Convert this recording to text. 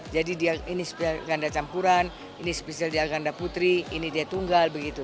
jadi ini ganda campuran ini spesial dia ganda putri ini dia tunggal begitu